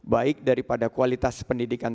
baik daripada kualitas pendidikan